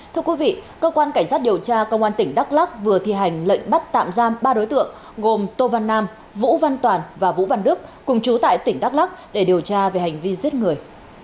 thưa quý vị cơ quan cảnh sát điều tra công an tỉnh đắk lắc vừa thi hành lệnh bắt tạm giam ba đối tượng gồm tô văn nam vũ văn toàn và vũ văn đức cùng chú tại tỉnh đắk lắc để điều tra về hành vi giết người